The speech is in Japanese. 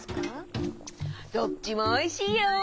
どっちもおいしいよ！